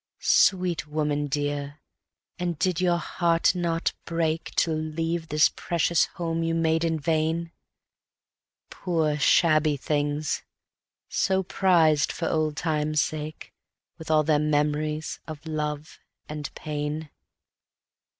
_ Sweet woman dear, and did your heart not break, To leave this precious home you made in vain? Poor shabby things! so prized for old times' sake, With all their memories of love and pain.